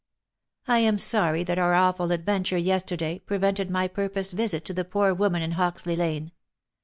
I am sorry that our awful adventure yesterday, prevented my purposed visit to the poor woman in Hoxley lane.